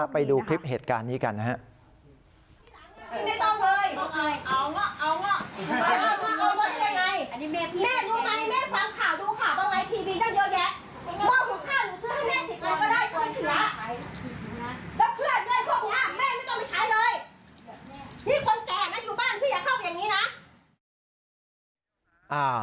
ไปดูคลิปเหตุการณ์นี้กันนะครับ